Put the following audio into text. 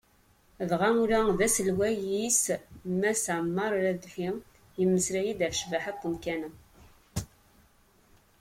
Dɣa ula d aselway-is Mass Ɛemmar Rabḥi, yemmeslay-d ɣef ccbaḥa n umkan-a.